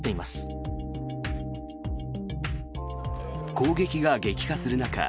攻撃が激化する中